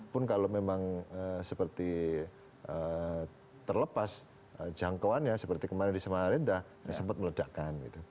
pun kalau memang seperti terlepas jangkauannya seperti kemarin di samarinda sempat meledakkan